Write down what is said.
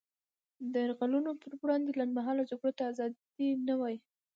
د یرغلونو پر وړاندې لنډمهاله جګړو ته ازادي نه وايي.